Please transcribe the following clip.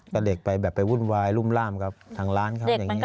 ก็เด็กไปแบบไปวุ่นวายรุ่มล่ามกับทางร้านเขาอย่างนี้